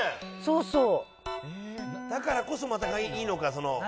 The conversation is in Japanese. だからこそいいのか。